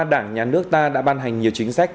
đảng nhà nước ta đã ban hành nhiều chính sách